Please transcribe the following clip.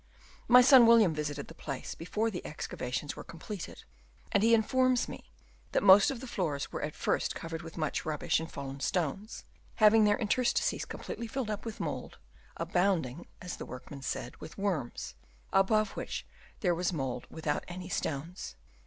My son William visited the place before the excavations were com pleted ; and he informs me that most of the floors were at first covered with much rubbish and fallen stones, having their interstices completely filled up with mould, abounding, as the workmen said, with worms, above which there was mould without any stones.